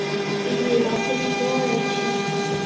Figueirópolis d'Oeste